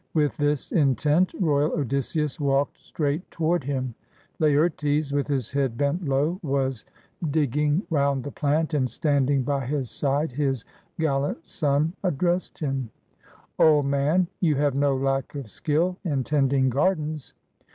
With this intent, royal Odysseus walked straight toward him. Laertes, with his head bent low, was dig ging round the plant, and standing by his side his gal lant son addressed him :— "Old man, you have no lack of skill in tending gar dens.